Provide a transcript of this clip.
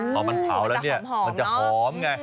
ใช่มันจะหอมเนอะ